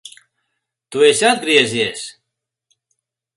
Tu esi atgriezies!